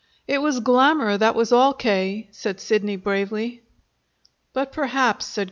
"It was glamour, that was all, K.," said Sidney bravely. "But, perhaps," said K.